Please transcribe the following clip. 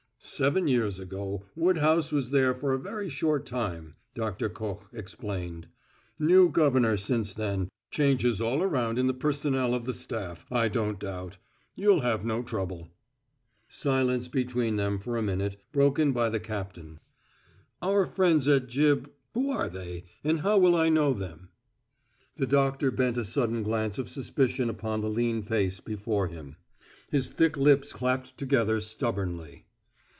"Seven years ago Woodhouse was there for a very short time," Doctor Koch explained. "New governor since then changes all around in the personnel of the staff, I don't doubt. You'll have no trouble." Silence between them for a minute, broken by the captain: "Our friends at Gib who are they, and how will I know them?" The doctor bent a sudden glance of suspicion upon the lean face before him. His thick lips clapped together stubbornly.